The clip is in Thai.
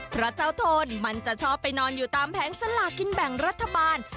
เพราะเจ้าโทนมันจะชอบไปนอนอยู่ตามแผงสลากินแบ่งรัฐบาล